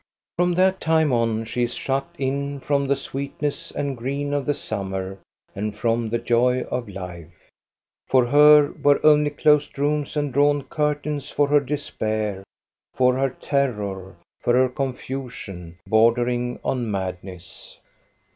From that time on she is shut in from the sweet ness and green of the summer and from tht: joy of 302 THE STORY OF GO ST A BE RUNG life. For her were only closed rooms and drawn curtains \ for her, despair ; for her, terror ; for her, confusion, bordering on madness.